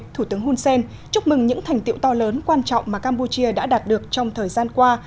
thủ tướng hun sen chúc mừng những thành tiệu to lớn quan trọng mà campuchia đã đạt được trong thời gian qua